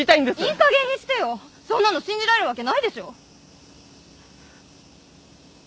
いいかげんにしてよそんなの信じられるわけないでしょ。